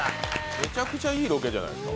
めちゃくちゃいいロケじゃないですか。